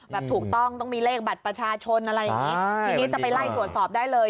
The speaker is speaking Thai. ถูกต้องต้องมีเลขบัตรประชาชนอะไรอย่างนี้ทีนี้จะไปไล่ตรวจสอบได้เลย